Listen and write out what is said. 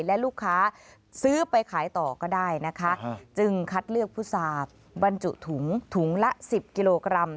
และลูกค้าซื้อไปขายต่อก็ได้นะคะจึงคัดเลือกพุษาบรรจุถุงถุงละ๑๐กิโลกรัม